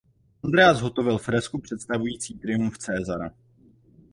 Andrea zhotovil fresku představující Triumf Caesara.